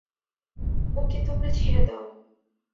ওকে তোমরা ছেড়ে দাও।